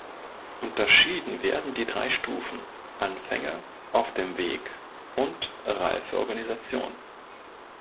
Unterschieden werden die drei Stufen: Anfänge, auf dem Weg und reife Organisation.